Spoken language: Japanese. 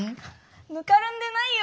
ぬかるんでないよ。